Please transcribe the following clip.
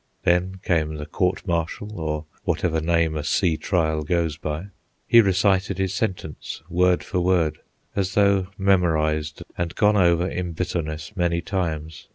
Then came the court martial, or whatever name a sea trial goes by. He recited his sentence, word for word, as though memorised and gone over in bitterness many times.